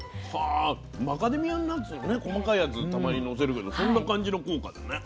マカデミアナッツの細かいやつたまにのせるけどそんな感じの効果だね。